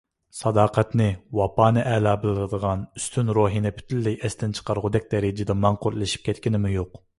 ساداقەتنى، ۋاپانى ئەلا بىلىدىغان ئۈستۈن روھىنى پۈتۈنلەي ئەستىن چىقارغۇدەك دەرىجىدە ماڭقۇرتلىشىپ كەتكىنىمۇ يوق.